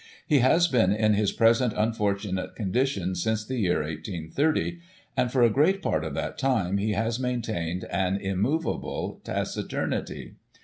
He has been in his present unfortimate condition since the year 1830 ; and, for a great part of that time, he has maintained an immovable taciturnity.